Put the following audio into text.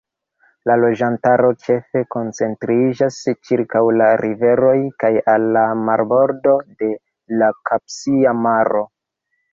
La loĝantaro ĉefe koncentriĝas ĉirkaŭ la riveroj kaj al marbordo de la Kaspia Maro.